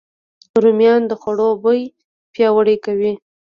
رومیان د خوړو بوی پیاوړی کوي